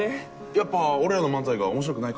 やっぱ俺らの漫才が面白くないから？